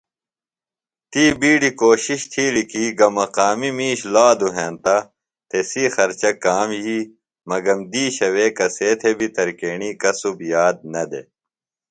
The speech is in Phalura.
تی بِیڈیۡ کوشِش تِھیلیۡ کی گہ مقامی مِیش لادُوۡ ہینتہ تسی خرچہ کام یھی مگم دِیشہ وے کسے تھےۡ بیۡ ترکیݨی کسُب یاد نہ دےۡ۔